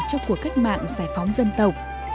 trong cuộc cách mạng giải phóng dân tộc